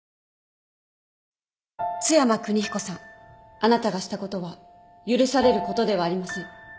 あなたがしたことは許されることではありません。